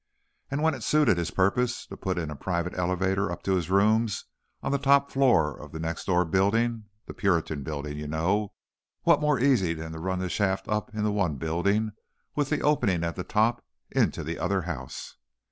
and when it suited his purposes to put in a private elevator up to his rooms on the top floor of the next door building, The Puritan Building, you know, what more easy than to run the shaft up in the one building with the opening at the top out into the other house.